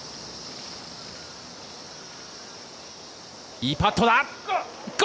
いいパットだ！